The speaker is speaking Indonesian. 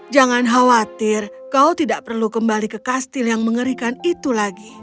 jangan khawatir kau tidak perlu kembali ke kastil yang mengerikan itu lagi